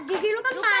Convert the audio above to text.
gigi gue ntar patah